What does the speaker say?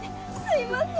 「すいませ」。